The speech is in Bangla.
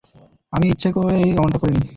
আমি ইচ্ছে করে অমনটা করিনি।